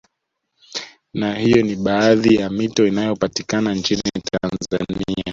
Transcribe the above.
Na hiyo ni baadhi ya mito inayopatikana nchini Tanzania